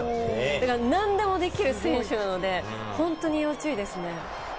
だから、何でもできる選手なので、本当に要注意ですね。